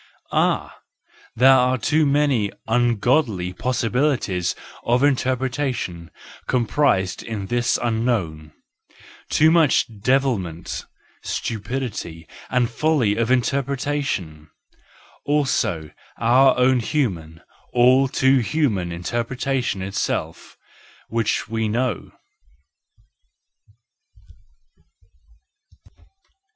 Ah! there are too many ungodly possibilities of inter¬ pretation comprised in this unknown, too much devilment, stupidity and folly of interpretation,— also our own human, all too human interpretation itself, which we know.